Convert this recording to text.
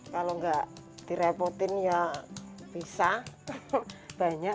kalau nggak direpotin ya bisa banyak